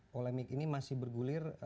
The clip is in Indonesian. polemik ini masih bergulir